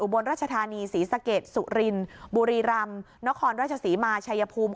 บนรัชธานีศรีสะเกดสุรินบุรีรำนครราชศรีมาชัยภูมิ